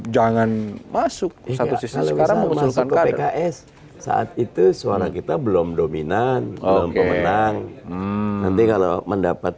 jangan masuk ke pks saat itu suara kita belum dominan belum pemenang nanti kalau mendapat